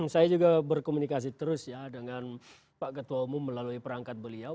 saya juga berkomunikasi terus ya dengan pak ketua umum melalui perangkat beliau